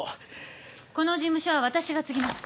この事務所は私が継ぎます。